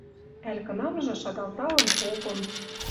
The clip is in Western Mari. Ӓль кынамжы шагалталын «попым»